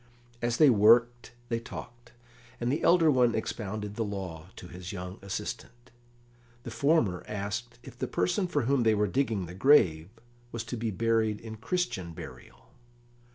As they worked they talked, and the elder one expounded the law to his young assistant. The former asked if the person for whom they were digging the grave was to be buried in Christian burial.